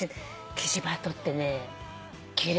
キジバトってね奇麗。